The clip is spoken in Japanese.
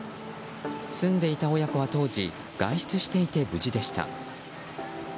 住んでいた親子は当時外出していて無事でした。